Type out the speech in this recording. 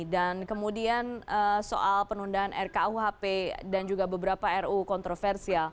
dan kemudian soal penundaan rkuhp dan juga beberapa ru kontroversial